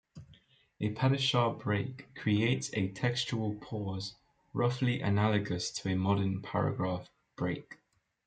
A "parashah" break creates a textual pause, roughly analogous to a modern paragraph break.